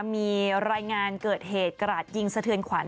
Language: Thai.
มีรายงานเกิดเหตุกราดยิงสะเทือนขวัญ